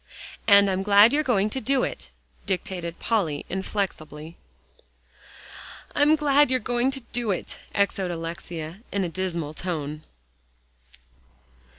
"And I'm glad you're going to do it," dictated Polly inflexibly. "I'm glad you're going to do it," echoed Alexia in a dismal tone.